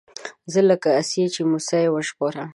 زه لکه آسيې چې موسی يې وژغوره